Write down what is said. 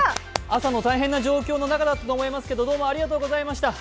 朝の大変な状況の中だったと思いますがありがとうございました。